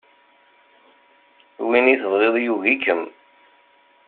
Win i tebɣiḍ yugi-kem.